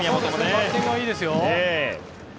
バッティングはいいですよ。